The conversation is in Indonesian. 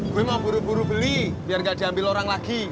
gue emang buru buru beli biar nggak diambil orang lagi